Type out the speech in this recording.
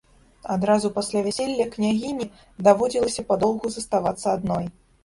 Адразу пасля вяселля княгіні даводзілася падоўгу заставацца адной.